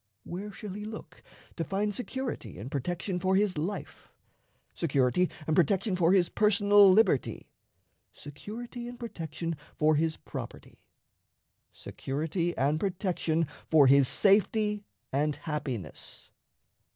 Where shall he look to find security and protection for his life, security and protection for his personal liberty, security and protection for his property, security and protection for his safety and happiness?